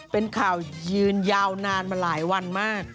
เป็นข่าวยืนยาวนานมาหลายวันมาก